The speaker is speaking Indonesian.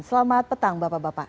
selamat petang bapak bapak